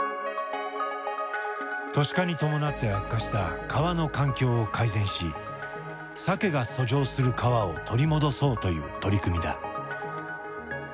都市化に伴って悪化した川の環境を改善しサケが遡上する川を取り戻そうという取り組みだ。